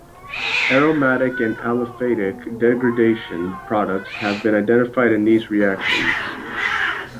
Aromatic and aliphatic degradation products have been identified in these reactions.